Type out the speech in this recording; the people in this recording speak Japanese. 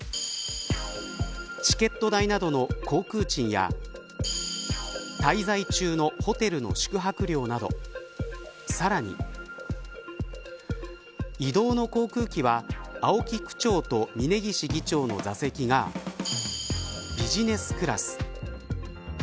チケット代などの航空賃や滞在中のホテルの宿泊料などさらに移動の航空機は青木区長と峯岸議長の座席がビジネスクラス。